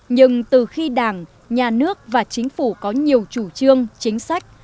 nhưng từ khi đảng nhà nước và chính phủ có nhiều chủ trương chính sách